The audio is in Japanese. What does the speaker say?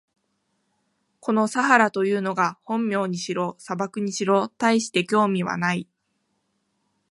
このサハラというのが本名にしろ、砂漠にしろ、たいして興味はない。